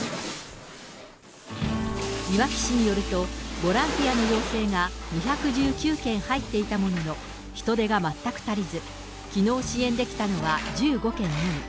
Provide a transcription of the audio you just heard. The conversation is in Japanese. いわき市によると、ボランティアの要請が２１９件入っていたものの、人手が全く足りず、きのう支援できたのは１５件のみ。